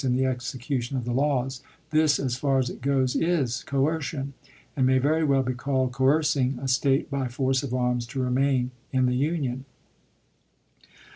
"in the execution of the laws — this, as far as it goes, is coer Black, "Es cion, and may very well be called " coercing a State by speeches," force of arms to remain in the Union."